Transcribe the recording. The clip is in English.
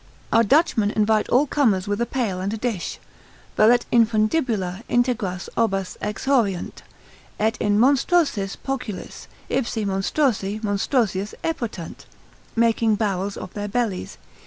Our Dutchmen invite all comers with a pail and a dish, Velut infundibula integras obbas exhauriunt, et in monstrosis poculis, ipsi monstrosi monstrosius epotant, making barrels of their bellies.